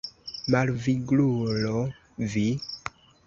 Malviglulo vi!